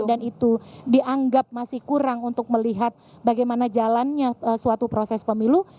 dan itu dianggap masih kurang untuk melihat bagaimana jalannya suatu proses pemilu